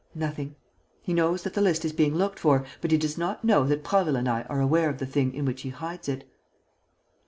"Nothing. He knows that the list is being looked for, but he does not know that Prasville and I are aware of the thing in which he hides it."